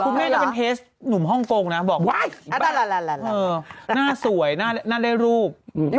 คุณแม่เคสหนุ่มห้องคงนะบอกว๊ายหน้าสวยหน้าเล่อรูป